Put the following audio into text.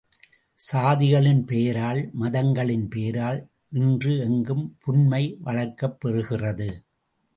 சாதிகளின் பெயரால், மதங்களின் பெயரால் இன்று எங்கும் புன்மை வளர்க்கப் பெறுகிறது.